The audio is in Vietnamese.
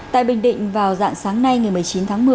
tại bình định vào dạng sáng nay ngày một mươi chín tháng một mươi